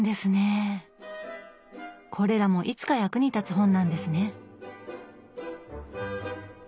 これらもいつか役に立つ本なんですね。